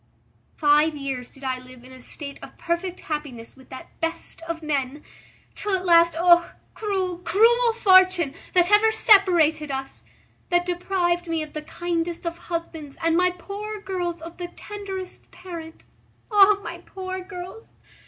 Five years did I live in a state of perfect happiness with that best of men, till at last Oh! cruel! cruel fortune, that ever separated us, that deprived me of the kindest of husbands and my poor girls of the tenderest parent. O my poor girls!